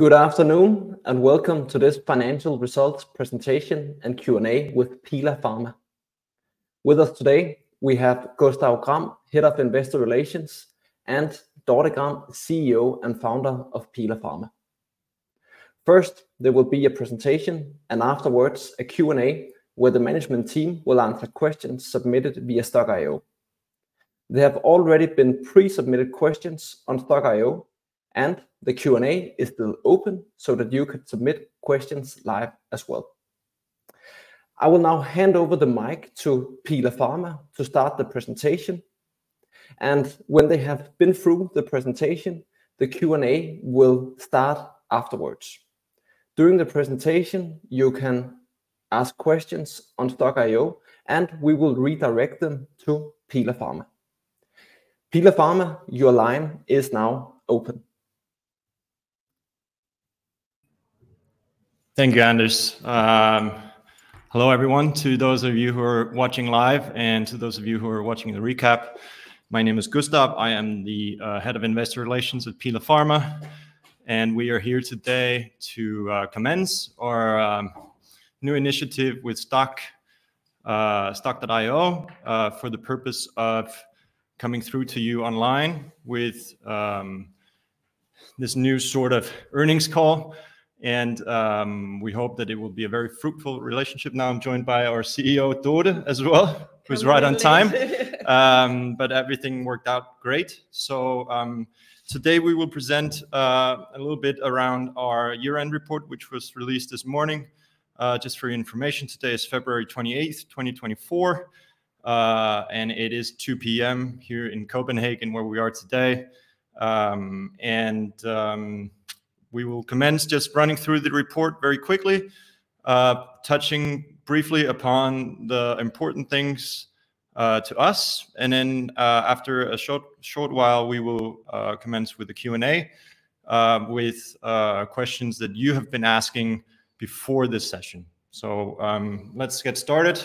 Good afternoon, and welcome to this financial results presentation and Q&A with Pila Pharma. With us today, we have Gustav Gram, Head of Investor Relations, and Dorte X. Gram, CEO and founder of Pila Pharma. First, there will be a presentation, and afterwards, a Q&A, where the management team will answer questions submitted via Stokk.io. There have already been pre-submitted questions on Stokk.io, and the Q&A is still open so that you could submit questions live as well. I will now hand over the mic to Pila Pharma to start the presentation, and when they have been through the presentation, the Q&A will start afterwards. During the presentation, you can ask questions on Stokk.io, and we will redirect them to Pila Pharma. Pila Pharma, your line is now open. Thank you, Anders. Hello, everyone. To those of you who are watching live and to those of you who are watching the recap, my name is Gustav. I am the Head of Investor Relations with Pila Pharma, and we are here today to commence our new initiative with Stokk.io for the purpose of coming through to you online with this new sort of earnings call, and we hope that it will be a very fruitful relationship. Now, I'm joined by our CEO, Dorte, as well, who is right on time. But everything worked out great. So, today we will present a little bit around our year-end report, which was released this morning. Just for your information, today is February twenty-eighth, twenty twenty-four, and it is 2:00 P.M. here in Copenhagen, where we are today. And, we will commence just running through the report very quickly, touching briefly upon the important things to us, and then, after a short while, we will commence with the Q&A with questions that you have been asking before this session. So, let's get started.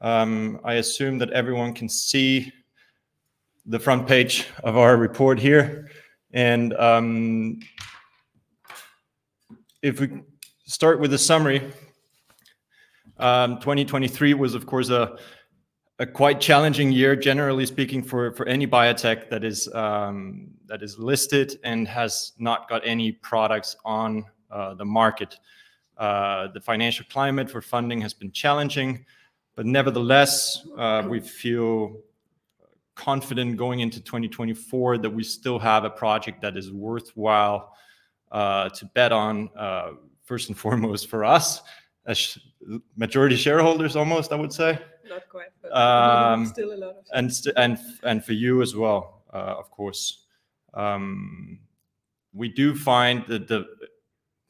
I assume that everyone can see the front page of our report here. And, if we start with the summary, 2023 was, of course, a quite challenging year, generally speaking, for any biotech that is listed and has not got any products on the market. The financial climate for funding has been challenging, but nevertheless, we feel confident going into 2024 that we still have a project that is worthwhile to bet on, first and foremost, for us, as majority shareholders, almost, I would say. Not quite, but- Um- Still a lot of us. And for you as well, of course. We do find that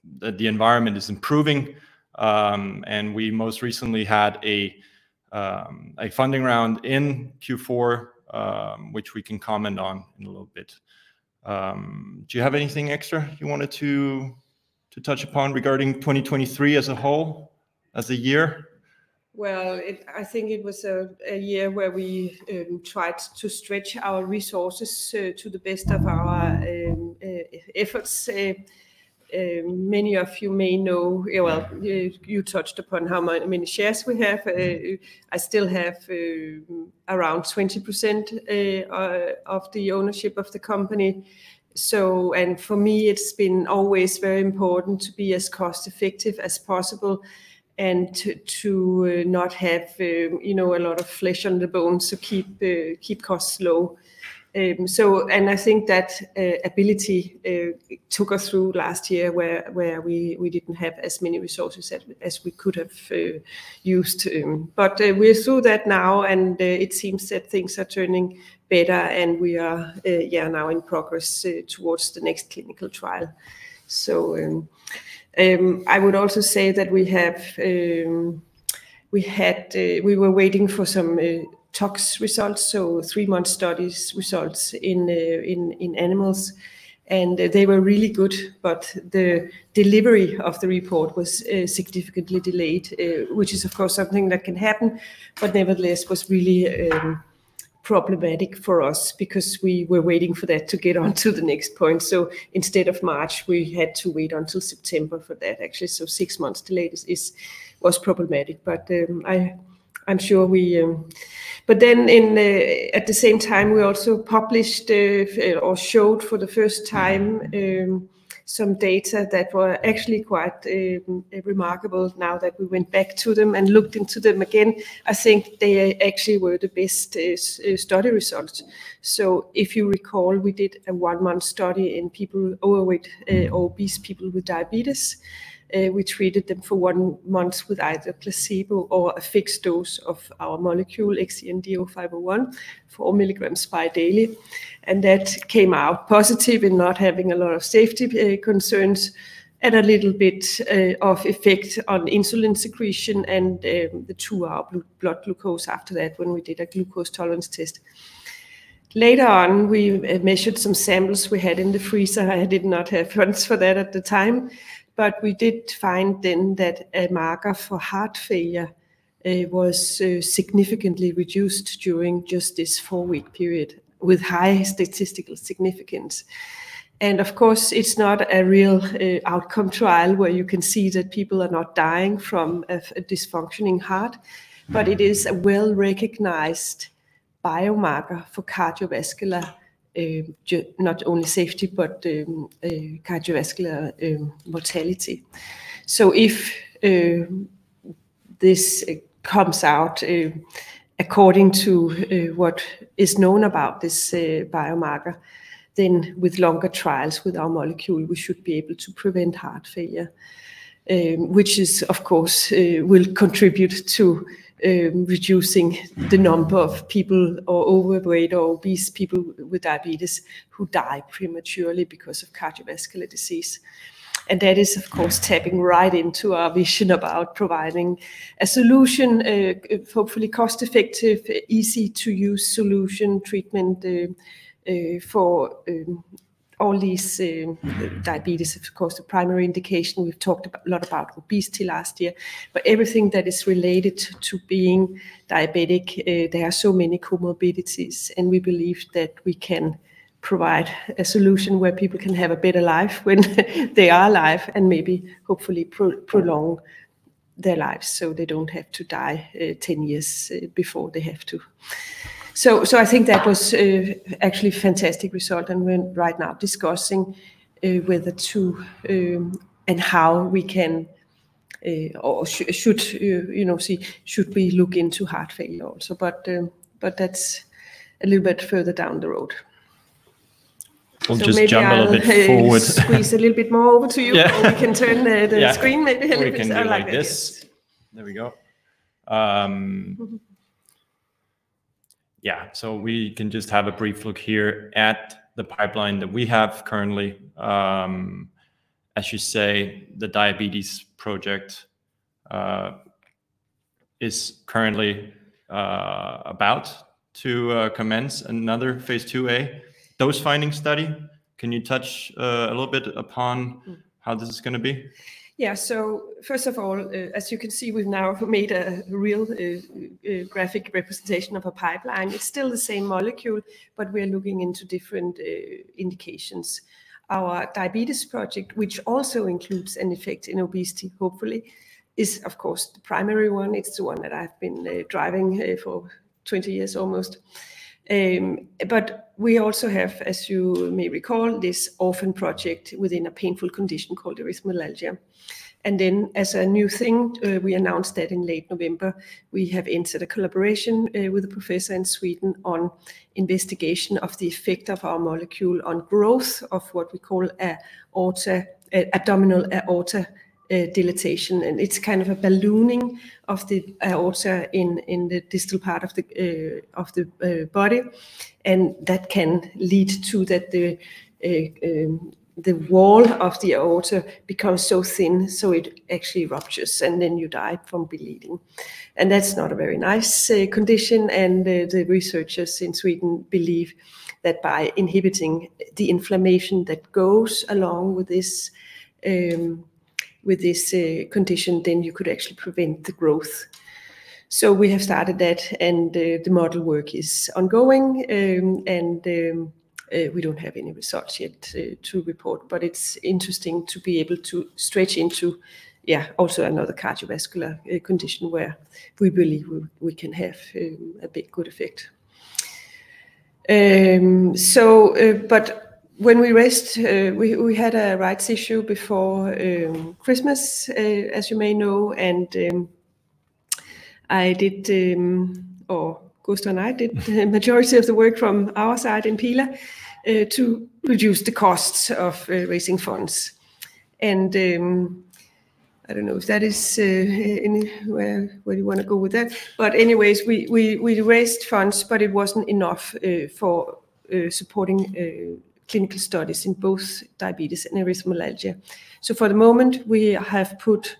the environment is improving, and we most recently had a funding round in Q4, which we can comment on in a little bit. Do you have anything extra you wanted to touch upon regarding 2023 as a whole, as a year? Well, I think it was a year where we tried to stretch our resources to the best of our efforts. Many of you may know. Well, you touched upon how many shares we have. I still have around 20% of the ownership of the company. So, and for me, it's been always very important to be as cost-effective as possible and to not have, you know, a lot of flesh on the bone, to keep costs low. So, and I think that ability took us through last year, where we didn't have as many resources as we could have used. But, we're through that now, and, it seems that things are turning better, and we are, yeah, now in progress, towards the next clinical trial. So, I would also say that we have, we had, we were waiting for some, tox results, so three month studies results in animals, and they were really good, but the delivery of the report was, significantly delayed, which is, of course, something that can happen, but nevertheless, was really, problematic for us because we were waiting for that to get on to the next point. So instead of March, we had to wait until September for that, actually, so six months delay. This is... was problematic, but, I, I'm sure we, But then in, at the same time, we also published, or showed for the first time, some data that were actually quite remarkable. Now, that we went back to them and looked into them again, I think they actually were the best study results. So if you recall, we did a one month study in people, overweight, obese people with diabetes. We treated them for one month with either placebo or a fixed dose of our molecule, XEN-D0501, 4 milligrams bi-daily. And that came out positive in not having a lot of safety concerns and a little bit of effect on insulin secretion and the two hour blood glucose after that, when we did a glucose tolerance test. Later on, we measured some samples we had in the freezer. I did not have ones for that at the time, but we did find then that a marker for heart failure. It was significantly reduced during just this four-week period with high statistical significance. And of course, it's not a real outcome trial where you can see that people are not dying from a disfunctioning heart, but it is a well-recognized biomarker for cardiovascular not only safety, but cardiovascular mortality. So if this comes out according to what is known about this biomarker, then with longer trials with our molecule, we should be able to prevent heart failure, which is, of course, will contribute to reducing the number of people or overweight or obese people with diabetes who die prematurely because of cardiovascular disease. That is, of course, tapping right into our vision about providing a solution, hopefully cost-effective, easy-to-use solution, treatment, for all these diabetes, of course, the primary indication. We've talked a lot about obesity last year, but everything that is related to being diabetic, there are so many comorbidities, and we believe that we can provide a solution where people can have a better life when they are alive and maybe hopefully prolong their lives so they don't have to die 10 years before they have to. So I think that was actually fantastic result, and we're right now discussing whether to, and how we can, or should, you know, see should we look into heart failure also. But that's a little bit further down the road. We'll just jump a little bit forward. Squeeze a little bit more over to you- Yeah.... or we can turn the screen maybe. Yeah. I like it. We can do like this. There we go. Yeah. So we can just have a brief look here at the pipeline that we have currently. As you say, the diabetes project is currently about to commence another Phase IIa dose-finding study. Can you touch a little bit upon how this is gonna be? Yeah. First of all, as you can see, we've now made a real graphic representation of a pipeline. It's still the same molecule, but we're looking into different indications. Our diabetes project, which also includes an effect in obesity, hopefully, is of course, the primary one. It's the one that I've been driving for 20 years almost. We also have, as you may recall, this orphan project within a painful condition called Erythromelalgia. Then as a new thing, we announced that in late November, we have entered a collaboration with a professor in Sweden on investigation of the effect of our molecule on growth of what we call abdominal aorta dilatation. It's kind of a ballooning of the aorta in the distal part of the body, and that can lead to that the wall of the aorta becomes so thin, so it actually ruptures, and then you die from bleeding. That's not a very nice condition, and the researchers in Sweden believe that by inhibiting the inflammation that goes along with this condition, then you could actually prevent the growth. So we have started that, and the model work is ongoing. We don't have any results yet to report, but it's interesting to be able to stretch into, yeah, also another cardiovascular condition where we believe we can have a big good effect. So, but when we raised... We had a rights issue before Christmas, as you may know, and I did, or Gustav and I did the majority of the work from our side in Pila to reduce the costs of raising funds. I don't know if that is where you wanna go with that. But anyways, we raised funds, but it wasn't enough for supporting clinical studies in both diabetes and erythromelalgia. So for the moment, we have put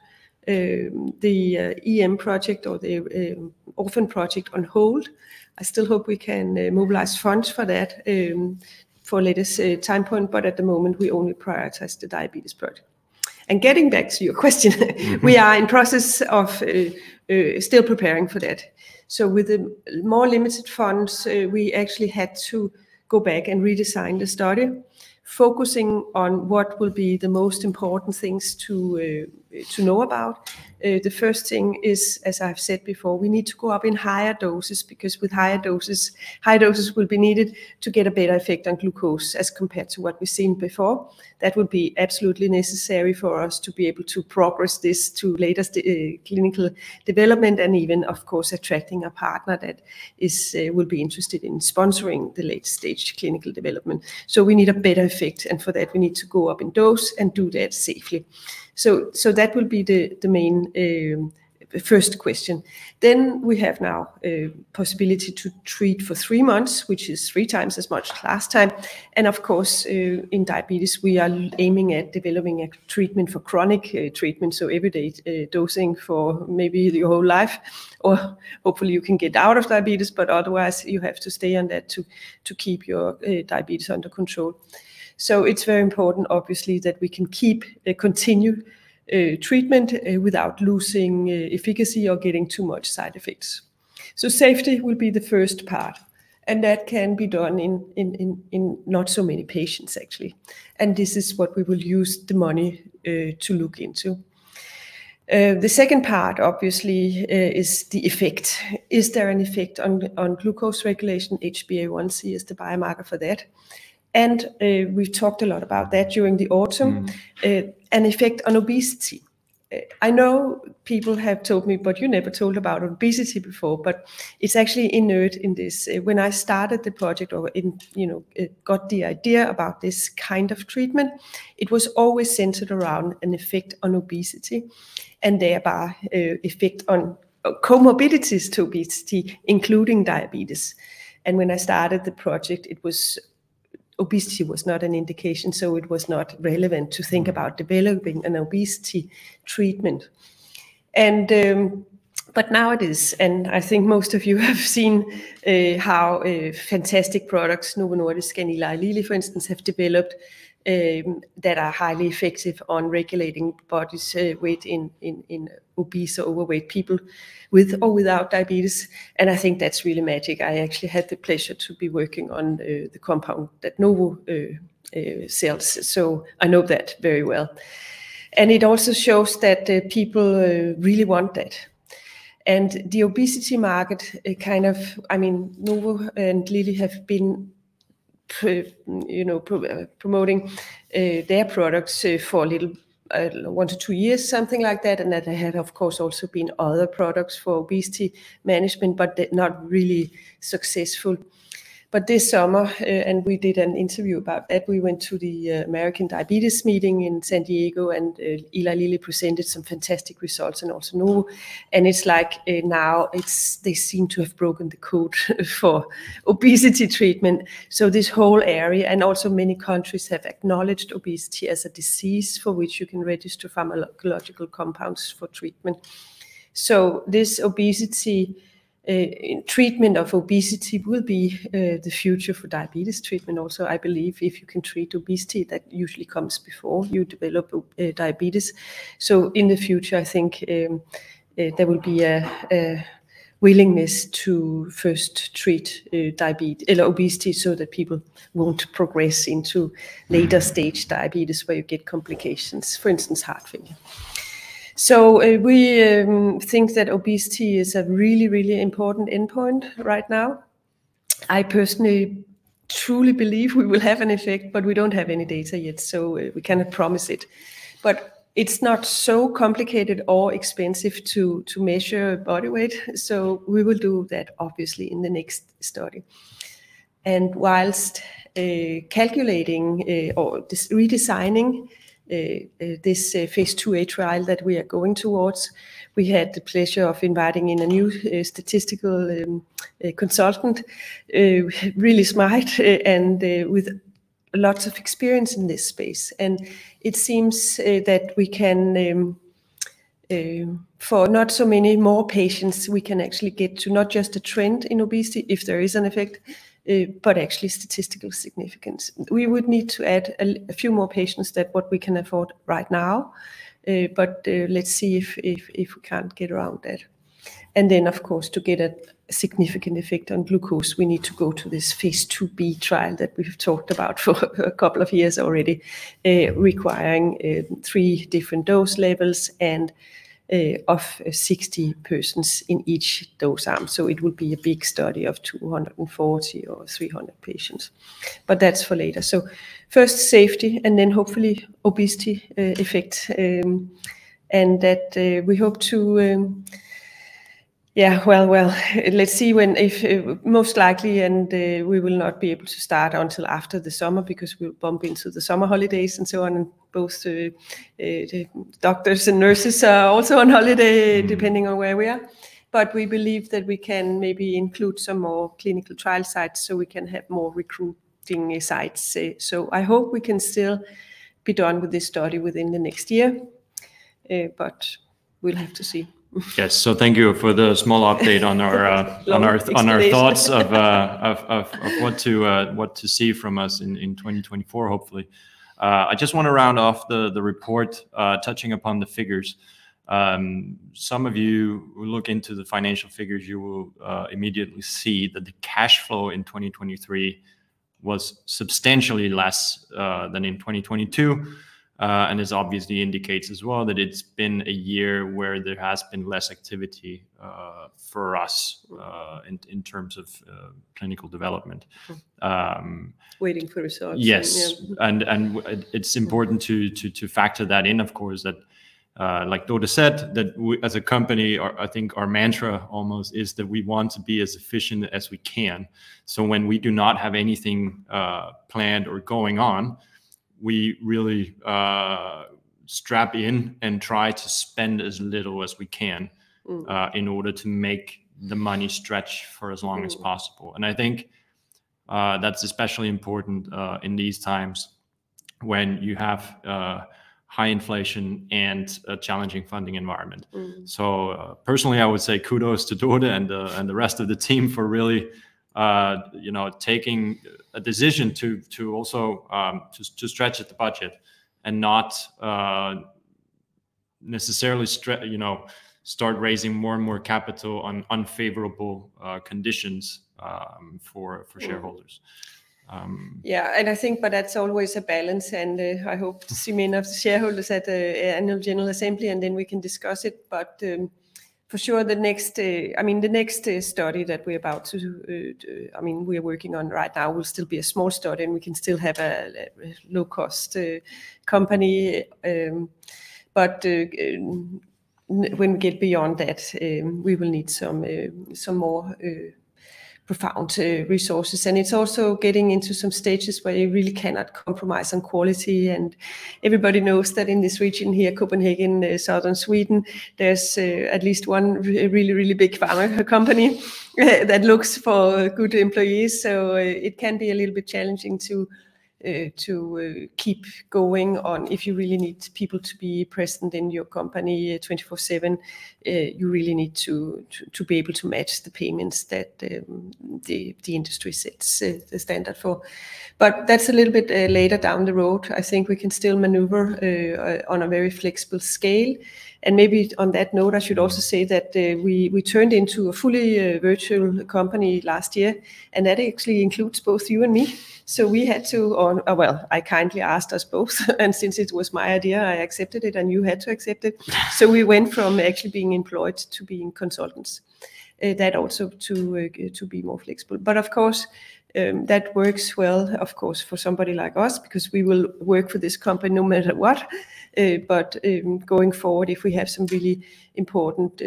the EM project or the orphan project on hold. I still hope we can mobilize funds for that for a later time point, but at the moment, we only prioritize the diabetes project. And getting back to your question, We are in process of still preparing for that. So with the more limited funds, we actually had to go back and redesign the study, focusing on what will be the most important things to to know about. The first thing is, as I've said before, we need to go up in higher doses because with higher doses, higher doses will be needed to get a better effect on glucose as compared to what we've seen before. That would be absolutely necessary for us to be able to progress this to later clinical development and even, of course, attracting a partner that would be interested in sponsoring the late-stage clinical development. So we need a better effect, and for that, we need to go up in dose and do that safely. So that will be the main first question. Then we have now a possibility to treat for three months, which is three times as much as last time. And of course, in diabetes, we are aiming at developing a treatment for chronic treatment, so everyday dosing for maybe your whole life or hopefully you can get out of diabetes, but otherwise you have to stay on that to keep your diabetes under control. So it's very important, obviously, that we can keep a continued treatment without losing efficacy or getting too much side effects. So safety will be the first part, and that can be done in not so many patients, actually, and this is what we will use the money to look into. The second part, obviously, is the effect. Is there an effect on glucose regulation? HbA1c is the biomarker for that, and we've talked a lot about that during the autumn. An effect on obesity. I know people have told me, "But you never told about obesity before," but it's actually inherent in this. When I started the project, you know, got the idea about this kind of treatment, it was always centered around an effect on obesity and thereby, a effect on comorbidities to obesity, including diabetes. And when I started the project, it was... obesity was not an indication, so it was not relevant to think about developing an obesity treatment. And, but now it is, and I think most of you have seen, how, fantastic products Novo Nordisk and Eli Lilly, for instance, have developed, that are highly effective on regulating body's, weight in obese or overweight people with or without diabetes, and I think that's really magic. I actually had the pleasure to be working on, the compound that Novo, sells, so I know that very well. And it also shows that, people, really want that. And the obesity market, it kind of... I mean, Novo and Lilly have been, you know, promoting, their products, for a little, one to two years, something like that, and that there have, of course, also been other products for obesity management, but they're not really successful. But this summer, and we did an interview about that, we went to the American Diabetes meeting in San Diego, and Eli Lilly presented some fantastic results, and also Novo. And it's like, now it's- they seem to have broken the code for obesity treatment. So this whole area, and also many countries, have acknowledged obesity as a disease for which you can register pharmacological compounds for treatment. So this obesity, treatment of obesity will be, the future for diabetes treatment also. I believe if you can treat obesity, that usually comes before you develop, diabetes. So in the future, I think, there will be a willingness to first treat obesity, so that people won't progress into later stage diabetes, where you get complications, for instance, heart failure. So, we think that obesity is a really, really important endpoint right now. I personally truly believe we will have an effect, but we don't have any data yet, so, we cannot promise it. But it's not so complicated or expensive to measure body weight, so we will do that obviously in the next study. And whilst calculating or just redesigning this Phase IIa trial that we are going towards, we had the pleasure of inviting in a new statistical consultant, really smart, and with lots of experience in this space. And it seems that we can for not so many more patients, we can actually get to not just a trend in obesity, if there is an effect, but actually statistical significance. We would need to add a few more patients than what we can afford right now, but let's see if we can't get around that. And then, of course, to get a significant effect on glucose, we need to go to this phase IIb trial that we've talked about for a couple of years already, requiring three different dose levels and of 60 persons in each dose arm. So it would be a big study of 240 or 300 patients, but that's for later. So first, safety, and then hopefully obesity effect. And that we hope to... Yeah, well, let's see when, if... Most likely, we will not be able to start until after the summer because we'll bump into the summer holidays and so on, and both the doctors and nurses are also on holiday. Depending on where we are. But we believe that we can maybe include some more clinical trial sites, so we can have more recruiting sites. So I hope we can still be done with this study within the next year, but we'll have to see. Yes. So thank you for the small update on our, on our thoughts of what to see from us in 2024, hopefully. I just want to round off the report, touching upon the figures. Some of you who look into the financial figures, you will immediately see that the cash flow in 2023 was substantially less than in 2022. And this obviously indicates as well that it's been a year where there has been less activity for us in terms of clinical development. Waiting for results. Yes. It's important to factor that in, of course, like Dorte said, as a company, I think our mantra almost is that we want to be as efficient as we can. So when we do not have anything planned or going on, we really strap in and try to spend as little as we can. In order to make the money stretch for as long as possible. I think that's especially important in these times... when you have high inflation and a challenging funding environment. Personally, I would say kudos to Dorte and the rest of the team for really, you know, taking a decision to also stretch the budget and not necessarily, you know, start raising more and more capital on unfavorable conditions for shareholders. Yeah, and I think but that's always a balance, and I hope to see enough shareholders at the Annual General Assembly, and then we can discuss it. But, for sure, the next... I mean, the next study that we're about to do, I mean, we're working on right now, will still be a small study, and we can still have a low-cost company. But, when we get beyond that, we will need some more profound resources. And it's also getting into some stages where you really cannot compromise on quality. And everybody knows that in this region here, Copenhagen, southern Sweden, there's at least one really big pharma company that looks for good employees. So it can be a little bit challenging to keep going on. If you really need people to be present in your company 24/7, you really need to be able to match the payments that the industry sets the standard for. But that's a little bit later down the road. I think we can still maneuver on a very flexible scale. And maybe on that note, I should also say that we turned into a fully virtual company last year, and that actually includes both you and me. So we had to, or, well, I kindly asked us both, and since it was my idea, I accepted it, and you had to accept it. So we went from actually being employed to being consultants. That also to be more flexible. But of course, that works well, of course, for somebody like us, because we will work for this company no matter what. But going forward, if we have some really important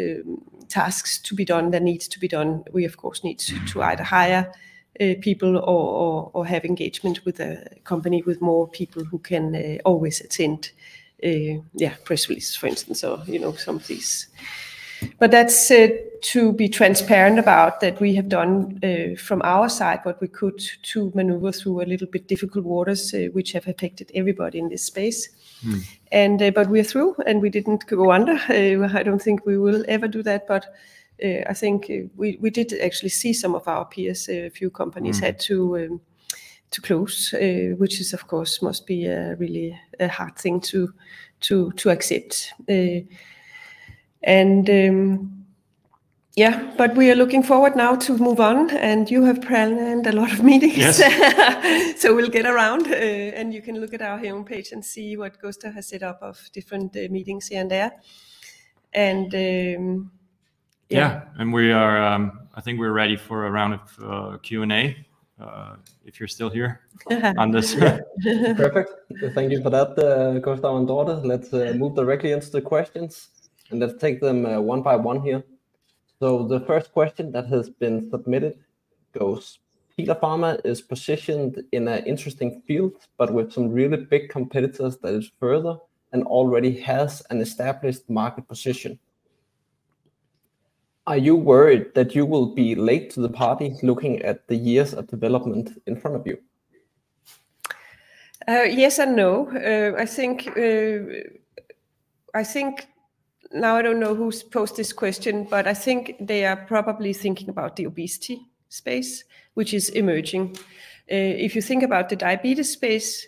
tasks to be done that needs to be done, we of course need to either hire people or have engagement with a company with more people who can always attend press releases, for instance, or you know, some of these. But that's to be transparent about that we have done from our side what we could to maneuver through a little bit difficult waters, which have affected everybody in this space. Mm. But we're through, and we didn't go under. I don't think we will ever do that, but I think we did actually see some of our peers, a few companies had to close, which is, of course, a really hard thing to accept. And, yeah, but we are looking forward now to move on, and you have planned a lot of meetings. Yes. So we'll get around, and you can look at our homepage and see what Gustav has set up of different meetings here and there. Yeah. Yeah, and we are. I think we're ready for a round of Q&A, if you're still here on this. Perfect. Thank you for that, Gustav and Dorte. Let's move directly into the questions, and let's take them one by one here. So the first question that has been submitted goes: "Pila Pharma is positioned in an interesting field, but with some really big competitors that is further and already has an established market position. Are you worried that you will be late to the party, looking at the years of development in front of you? Yes and no. I think... Now, I don't know who posted this question, but I think they are probably thinking about the obesity space, which is emerging. If you think about the diabetes space,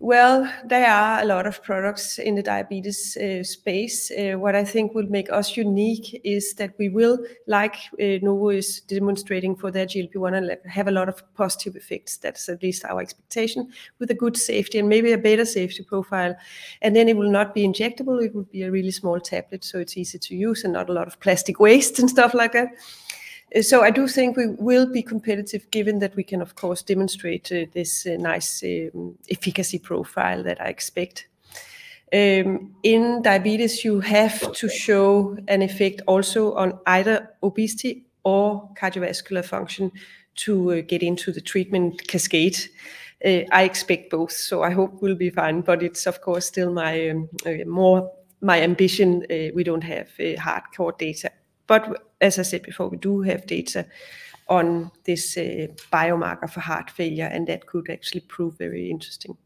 well, there are a lot of products in the diabetes space. What I think will make us unique is that we will, like, Novo is demonstrating for their GLP-1, have a lot of positive effects. That's at least our expectation, with a good safety and maybe a better safety profile. And then it will not be injectable. It will be a really small tablet, so it's easy to use and not a lot of plastic waste and stuff like that. So I do think we will be competitive, given that we can, of course, demonstrate this nice efficacy profile that I expect. In diabetes, you have to show an effect also on either obesity or cardiovascular function to get into the treatment cascade. I expect both, so I hope we'll be fine, but it's of course still my more my ambition. We don't have hardcore data, but as I said before, we do have data on this biomarker for heart failure, and that could actually prove very interesting.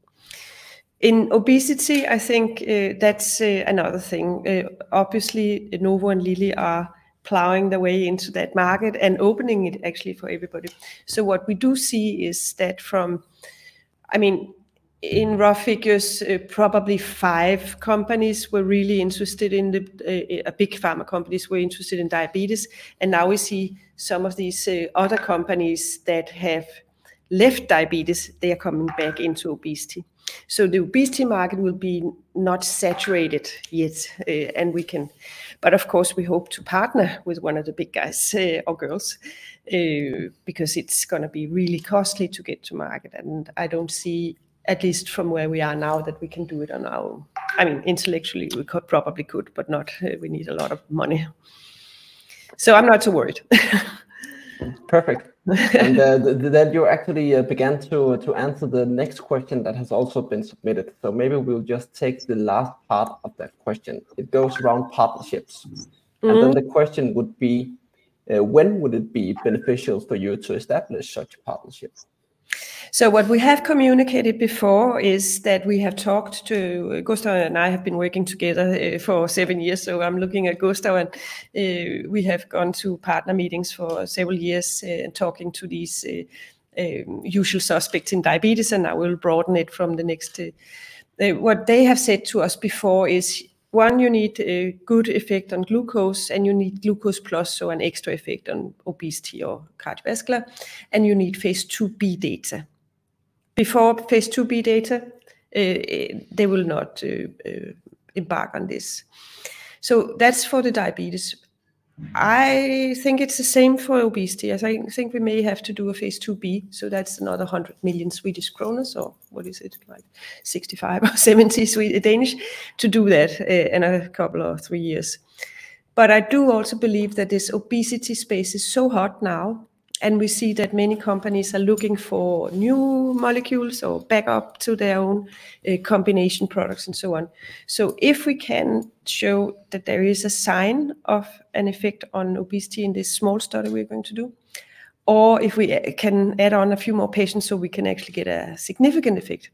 In obesity, I think that's another thing. Obviously, Novo and Lilly are plowing the way into that market and opening it actually for everybody. So what we do see is that from—I mean, in rough figures, probably five companies were really interested in the big pharma companies were interested in diabetes, and now we see some of these other companies that have left diabetes, they are coming back into obesity. So the obesity market will be not saturated yet, and we— But of course, we hope to partner with one of the big guys, or girls, because it's gonna be really costly to get to market. And I don't see, at least from where we are now, that we can do it on our own. I mean, intellectually, we probably could, but not... We need a lot of money. So I'm not too worried. Perfect. And, then you actually began to answer the next question that has also been submitted, so maybe we'll just take the last part of that question. It goes around partnerships. Mm-hmm. Then the question would be, when would it be beneficial for you to establish such partnerships? So what we have communicated before is that we have talked to, Gustav and I have been working together, for seven years, so I'm looking at Gustav, and, we have gone to partner meetings for several years, talking to these, usual suspects in diabetes, and I will broaden it from the next... What they have said to us before is, one, you need a good effect on glucose, and you need glucose plus, so an extra effect on obesity or cardiovascular, and you need Phase IIb data. Before Phase IIb data, they will not embark on this. So that's for the diabetes. I think it's the same for obesity, as I think we may have to do a Phase IIb, so that's another 100 million Swedish kronor, or what is it? Like, 65 or 70 to do that in a couple or three years. But I do also believe that this obesity space is so hot now, and we see that many companies are looking for new molecules or backup to their own combination products and so on. So if we can show that there is a sign of an effect on obesity in this small study we're going to do, or if we can add on a few more patients so we can actually get a significant effect,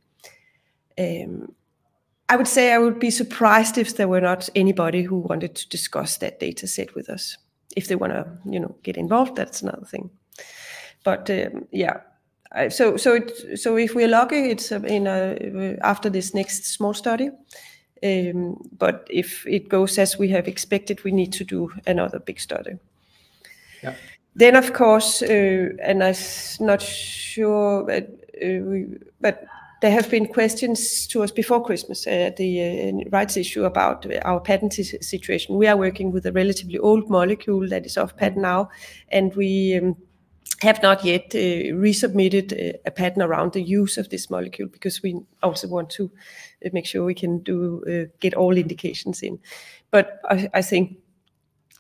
I would say I would be surprised if there were not anybody who wanted to discuss that data set with us. If they wanna, you know, get involved, that's another thing. But yeah, so if we are lucky, it's in after this next small study, but if it goes as we have expected, we need to do another big study. Then, of course, and I'm not sure, but there have been questions to us before Christmas, the rights issue about our patent situation. We are working with a relatively old molecule that is off patent now, and we have not yet resubmitted a patent around the use of this molecule because we also want to make sure we can get all indications in. But I think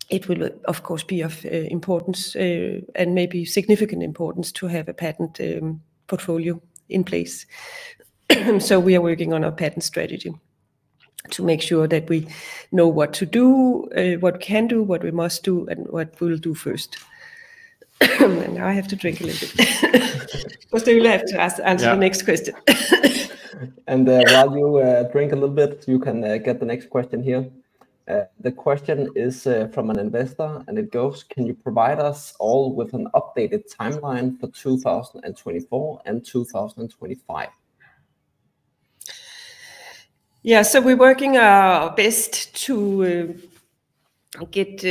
it will, of course, be of importance and maybe significant importance to have a patent portfolio in place. So we are working on our patent strategy to make sure that we know what to do, what we can do, what we must do, and what we'll do first. Now I have to drink a little bit. Gustav, you'll have to ask- Yeah. Answer the next question. While you drink a little bit, you can get the next question here. The question is from an investor, and it goes: "Can you provide us all with an updated timeline for 2024 and 2025? Yeah, so we're working our best to get,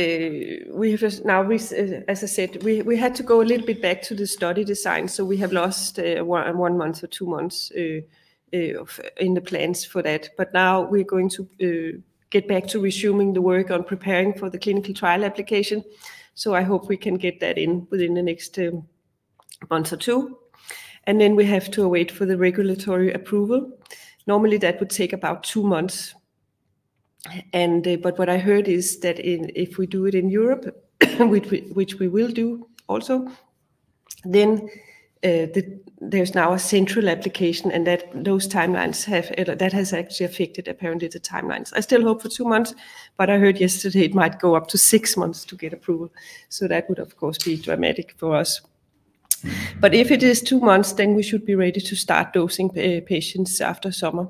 we've. Now, as I said, we had to go a little bit back to the study design, so we have lost one month or two months in the plans for that. But now we're going to get back to resuming the work on preparing for the clinical trial application, so I hope we can get that in within the next month or two. And then we have to wait for the regulatory approval. Normally, that would take about two months, but what I heard is that if we do it in Europe, which we will do also, then there's now a central application, and that has actually affected, apparently, the timelines. I still hope for two months, but I heard yesterday it might go up to six months to get approval, so that would, of course, be dramatic for us. But if it is two months, then we should be ready to start dosing patients after summer.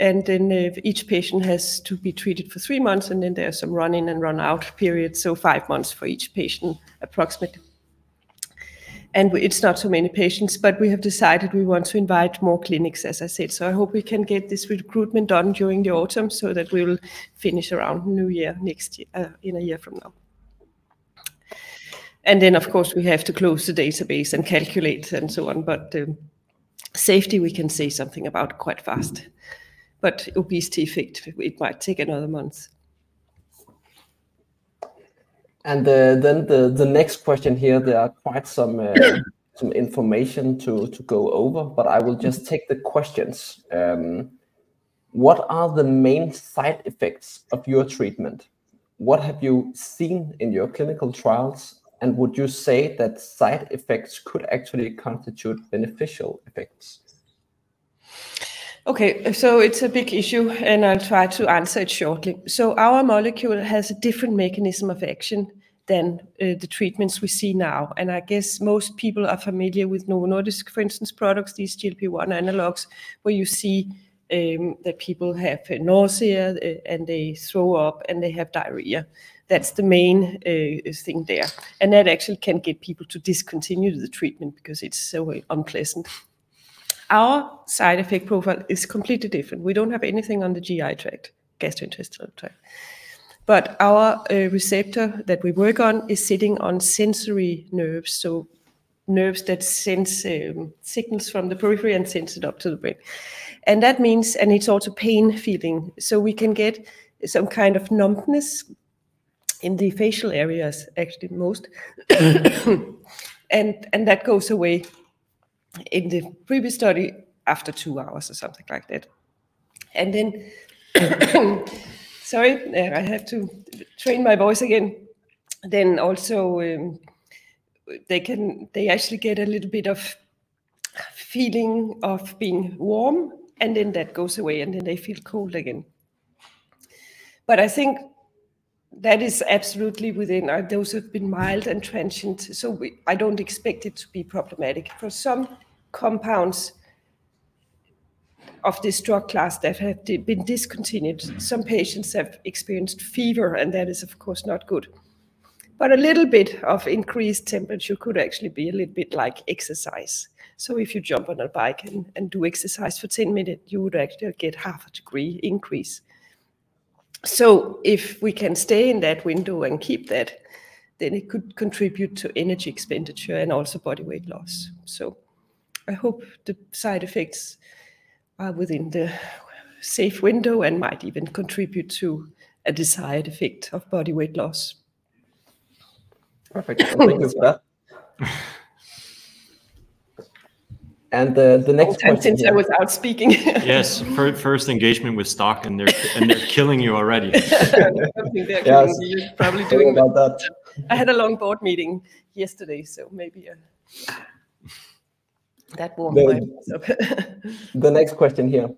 And then if each patient has to be treated for three months, and then there are some run-in and run-out periods, so five months for each patient, approximately. And it's not so many patients, but we have decided we want to invite more clinics, as I said. So I hope we can get this recruitment done during the autumn so that we will finish around New Year, next year, in a year from now. And then, of course, we have to close the database and calculate and so on, but safety, we can say something about quite fast. Obesity effect, it might take another month. And then the next question here, there are quite some information to go over, but I will just take the questions. What are the main side effects of your treatment? What have you seen in your clinical trials, and would you say that side effects could actually constitute beneficial effects? Okay, so it's a big issue, and I'll try to answer it shortly. So our molecule has a different mechanism of action than the treatments we see now, and I guess most people are familiar with Novo Nordisk, for instance, products, these GLP-1 analogues, where you see that people have nausea, and they throw up, and they have diarrhea. That's the main thing there, and that actually can get people to discontinue the treatment because it's so unpleasant. Our side effect profile is completely different. We don't have anything on the GI tract, gastrointestinal tract. But our receptor that we work on is sitting on sensory nerves, so nerves that sense signals from the periphery and sends it up to the brain. And that means... And it's also pain-feeling, so we can get some kind of numbness in the facial areas, actually most. That goes away in the previous study after two hours or something like that. Then, sorry, I have to train my voice again. Then also, they can. They actually get a little bit of feeling of being warm, and then that goes away, and then they feel cold again. But I think that is absolutely within those have been mild and transient, so I don't expect it to be problematic. For some compounds of this drug class that have been discontinued, some patients have experienced fever, and that is, of course, not good. But a little bit of increased temperature could actually be a little bit like exercise. So if you jump on a bike and do exercise for 10 minute, you would actually get half a degree increase. So if we can stay in that window and keep that, then it could contribute to energy expenditure and also body weight loss. So I hope the side effects are within the safe window and might even contribute to a desired effect of body weight loss. Perfect. I think it's that. And the next question- Long time since I was out speaking. Yes, first engagement with stock, and they're killing you already. Hopefully, they're killing me. Yes. Probably doing that. How about that? I had a long board meeting yesterday, so maybe, that warmed my... The next question here: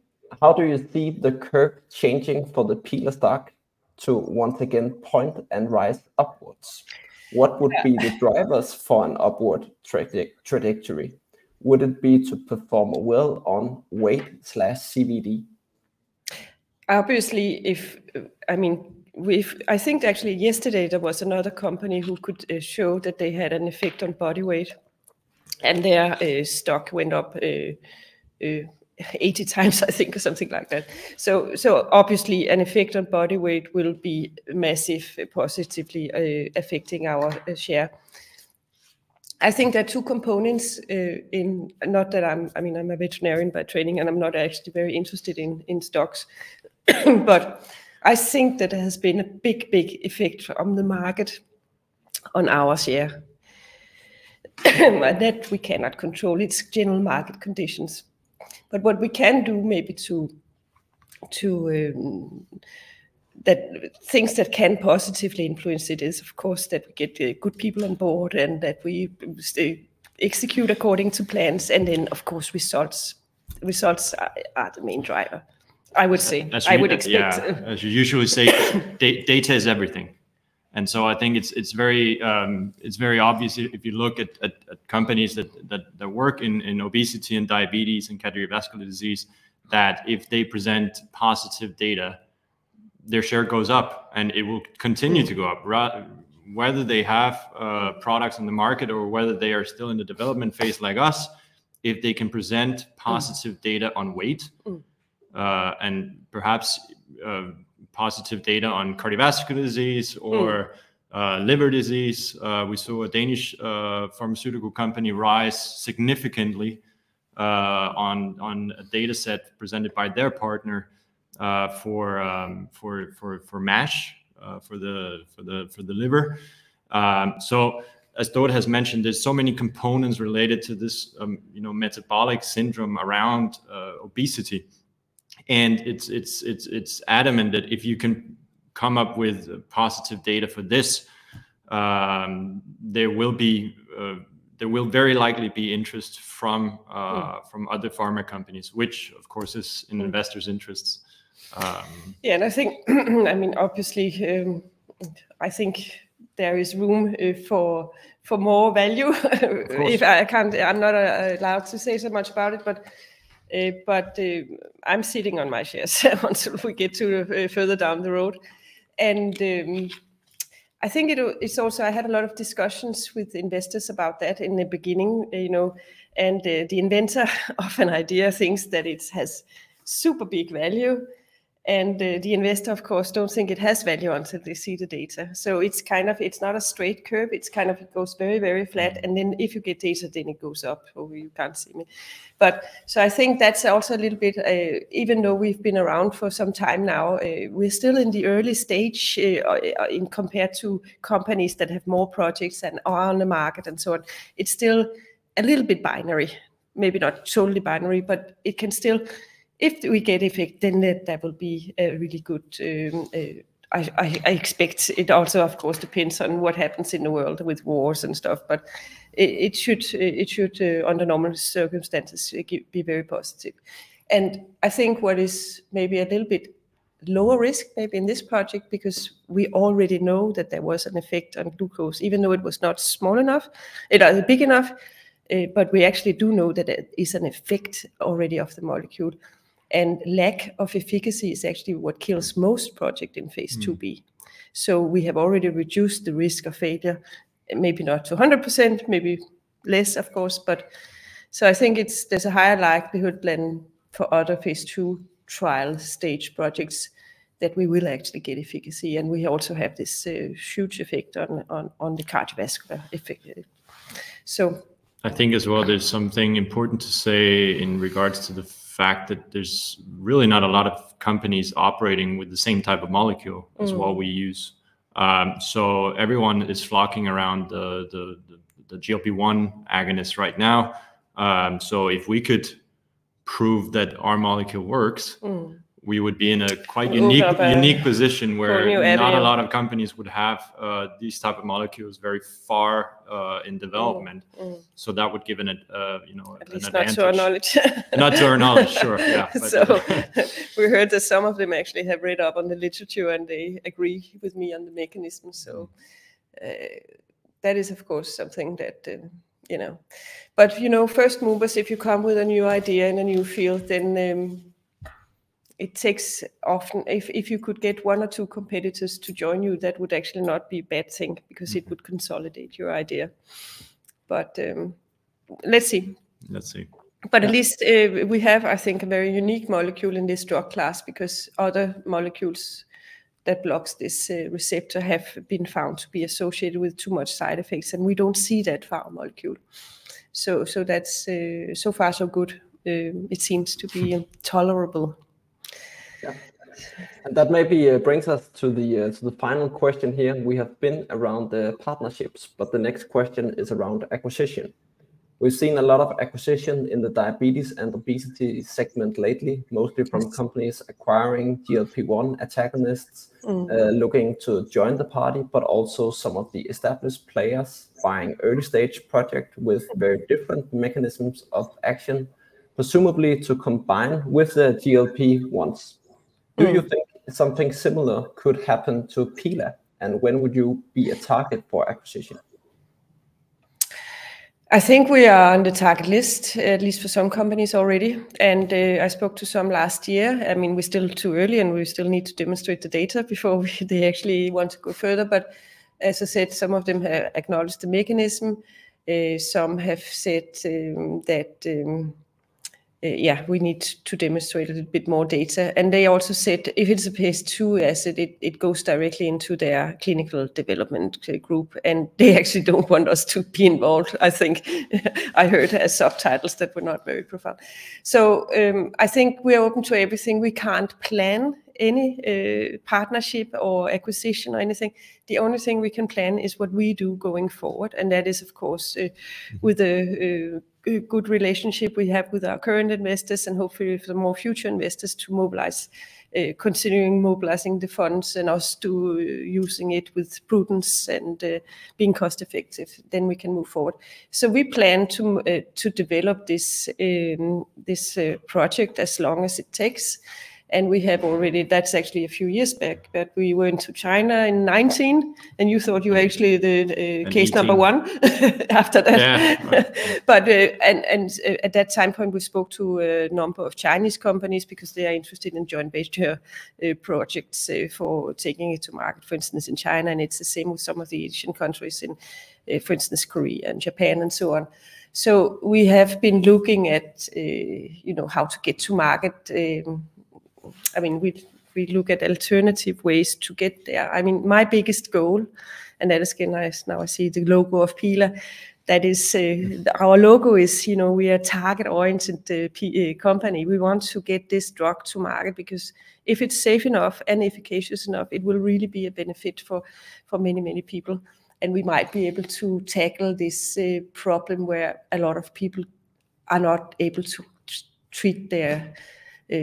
How do you see the curve changing for the Pila stock to once again point and rise upwards? Yeah. What would be the drivers for an upward trajectory? Would it be to perform well on weight/CVD? Obviously, if... I mean, we've, I think actually yesterday there was another company who could show that they had an effect on body weight, and their stock went up 80x, I think, or something like that. So, obviously, an effect on body weight will be massive, positively affecting our share. I think there are two components in... Not that I'm, I mean, I'm a veterinarian by training, and I'm not actually very interested in stocks. But I think that there has been a big, big effect on the market on our share, and that we cannot control. It's general market conditions. But what we can do maybe to the things that can positively influence it is, of course, that we get good people on board and that we execute according to plans, and then, of course, results. Results are the main driver, I would say. I would expect- That's true. Yeah. As you usually say, data is everything, and so I think it's very obvious if you look at companies that work in obesity and diabetes and cardiovascular disease, that if they present positive data, their share goes up, and it will continue to go up. Whether they have products on the market or whether they are still in the development phase like us, if they can present positive data on weight and perhaps positive data on cardiovascular disease or liver disease. We saw a Danish pharmaceutical company rise significantly, on a data set presented by their partner, for MASH, for the liver. So as Dorte has mentioned, there's so many components related to this, you know, metabolic syndrome around obesity, and it's adamant that if you can come up with positive data for this, there will very likely be interest from from other pharma companies, which of course, is in investors' interests. Yeah, and I think, I mean, obviously, I think there is room for more value. Of course. If I can't... I'm not allowed to say so much about it, but, but, I'm sitting on my shares once we get to further down the road. I think it'll... It's also, I had a lot of discussions with investors about that in the beginning, you know, and, the inventor of an idea thinks that it has super big value, and, the investor, of course, don't think it has value until they see the data. So it's kind of, it's not a straight curve. It's kind of, it goes very, very flat, and then if you get data, then it goes up. Oh, you can't see me. So I think that's also a little bit, even though we've been around for some time now, we're still in the early stage in compared to companies that have more projects and are on the market and so on. It's still a little bit binary, maybe not totally binary, but it can still... If we get effect, then that will be really good, I expect. It also, of course, depends on what happens in the world with wars and stuff, but it should, under normal circumstances, be very positive. And i think what is maybe a little bit lower risk, maybe in this project, because we already know that there was an effect on glucose, even though it was not small enough, big enough, but we actually do know that it is an effect already of the molecule. And lack of efficacy is actually what kills most projects in Phase IIb. So we have already reduced the risk of failure, maybe not to 100%, maybe less, of course, but so I think there's a higher likelihood then for other phase II trial stage projects that we will actually get efficacy, and we also have this huge effect on the cardiovascular effect. So. I think as well, there's something important to say in regards to the fact that there's really not a lot of companies operating with the same type of molecule as what we use. So everyone is flocking around the GLP-1 agonist right now. So if we could... prove that our molecule works. We would be in a quite unique. Whole new area. Not a lot of companies would have these type of molecules very far in development. That would give, you know, an advantage. At least not to our knowledge. Not to our knowledge, sure. Yeah, but- So we heard that some of them actually have read up on the literature, and they agree with me on the mechanism. So, that is, of course, something that, you know... But, you know, first movers, if you come with a new idea in a new field, then, it takes often if you could get one or two competitors to join you, that would actually not be a bad thing because it would consolidate your idea. But, let's see. Let's see. But at least, we have, I think, a very unique molecule in this drug class, because other molecules that blocks this receptor have been found to be associated with too much side effects, and we don't see that for our molecule. So, so that's, so far, so good. It seems to be tolerable. Yeah, and that maybe brings us to the final question here. We have been around the partnerships, but the next question is around acquisition. We've seen a lot of acquisition in the diabetes and obesity segment lately, mostly from companies acquiring GLP-1 antagonists looking to join the party, but also some of the established players buying early-stage project with very different mechanisms of action, presumably to combine with the GLP-1s. Do you think something similar could happen to Pila, and when would you be a target for acquisition? I think we are on the target list, at least for some companies already, and I spoke to some last year. I mean, we're still too early, and we still need to demonstrate the data before they actually want to go further. But as I said, some of them have acknowledged the mechanism. Some have said that yeah, we need to demonstrate a little bit more data. And they also said if it's a Phase II asset, it goes directly into their clinical development group, and they actually don't want us to be involved, I think. I heard some subtleties that were not very profound. So, I think we are open to everything. We can't plan any partnership or acquisition or anything. The only thing we can plan is what we do going forward, and that is, of course, with a good relationship we have with our current investors and hopefully with more future investors to mobilize, continuing mobilizing the funds and us to using it with prudence and, being cost-effective, then we can move forward. So we plan to develop this project as long as it takes, and we have already... That's actually a few years back, but we went to China in 2019, and you thought you were actually the, Me too. Case number one after that. Yeah, right. But, and at that time point, we spoke to a number of Chinese companies because they are interested in joint venture projects for taking it to market, for instance, in China, and it's the same with some of the Asian countries in, for instance, Korea and Japan and so on. So we have been looking at, you know, how to get to market. I mean, we look at alternative ways to get there. I mean, my biggest goal, and that is, again, nice, now I see the logo of Pila, that is, our logo is, you know, we are target-oriented, P- company. We want to get this drug to market because if it's safe enough and efficacious enough, it will really be a benefit for many, many people. We might be able to tackle this problem, where a lot of people are not able to treat their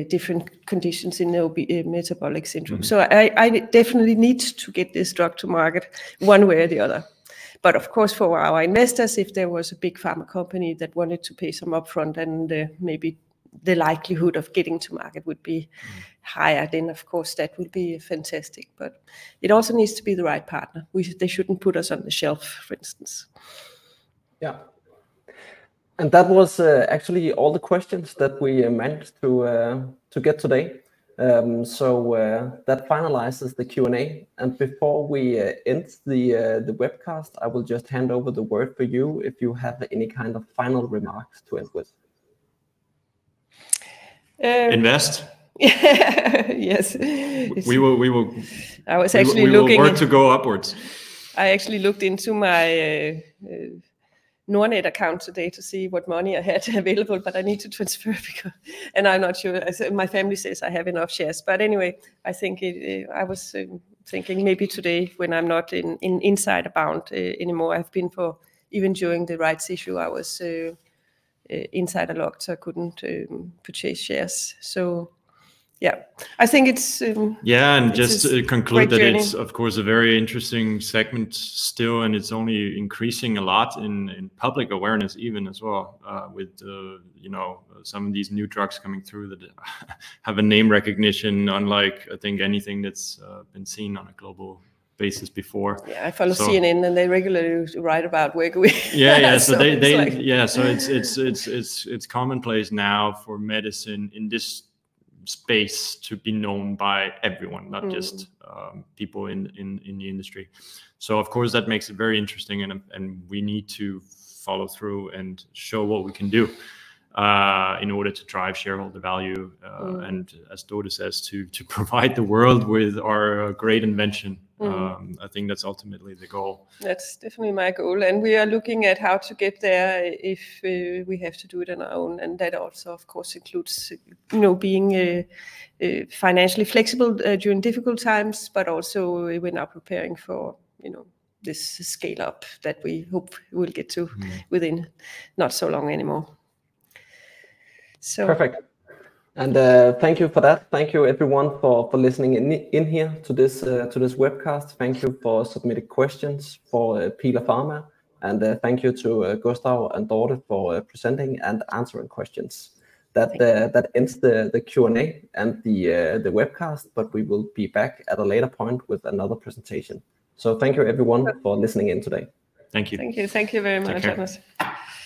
different conditions in obesity, metabolic syndrome. So I definitely need to get this drug to market one way or the other. But of course, for our investors, if there was a big pharma company that wanted to pay some upfront, then maybe the likelihood of getting to market would be higher, then, of course, that would be fantastic. But it also needs to be the right partner. They shouldn't put us on the shelf, for instance. Yeah. And that was actually all the questions that we managed to get today. So, that finalizes the Q&A. And before we end the webcast, I will just hand over the word for you, if you have any kind of final remarks to end with. Invest. Yes. We will. I was actually looking at. We will work to go upwards. I actually looked into my Nordnet account today to see what money I had available, but I need to transfer because... and I'm not sure. I said my family says I have enough shares. But anyway, I think I was thinking maybe today, when I'm not in, in, inside about anymore, I've been even during the rights issue, I was inside a lot, so I couldn't purchase shares. So yeah, I think it's Yeah, and just- It's a great journey. To conclude that it's, of course, a very interesting segment still, and it's only increasing a lot in public awareness even as well, with, you know, some of these new drugs coming through that have a name recognition, unlike, I think, anything that's been seen on a global basis before. Yeah. I follow CNN, and they regularly write about Wegovy. Yeah, yeah. It's like- So they... Yeah, so it's commonplace now for medicine in this space to be known by everyone not just people in the industry. So of course, that makes it very interesting, and we need to follow through and show what we can do in order to drive shareholder value and as Dorte says, to provide the world with our great invention. I think that's ultimately the goal. That's definitely my goal, and we are looking at how to get there if we have to do it on our own, and that also, of course, includes, you know, being financially flexible during difficult times, but also we are now preparing for, you know, this scale-up that we hope we'll get to within not so long anymore. So. Perfect. And thank you for that. Thank you everyone for listening in to this webcast. Thank you for submitting questions for Pila Pharma, and thank you to Gustav and Dorte for presenting and answering questions. That ends the Q&A and the webcast, but we will be back at a later point with another presentation. So thank you everyone for listening in today. Thank you. Thank you. Thank you very much, Thomas. Take care.